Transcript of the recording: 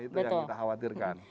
itu yang kita khawatirkan